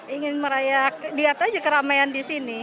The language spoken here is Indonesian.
ingin merayak lihat aja keramaian di sini